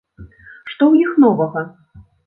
Што ў іх новага?